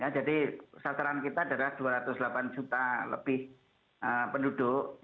jadi sasaran kita adalah dua ratus delapan juta lebih penduduk